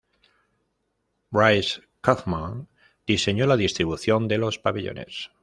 Richard Kaufmann diseño la distribución de los pabellones.